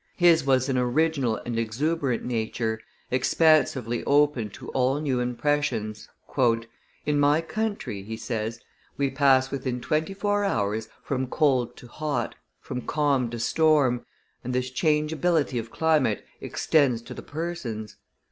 His was an original and exuberant nature, expansively open to all new impressions. "In my country," he says, "we pass within twenty four hours from cold to hot, from calm to storm, and this changeability of climate extends to the persons.